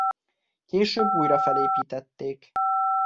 Később újra felépítették.